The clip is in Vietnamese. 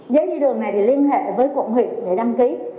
giấy đi đường này thì liên hệ với cộng huyện để đăng ký